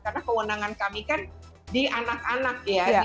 karena kewenangan kami kan di anak anak ya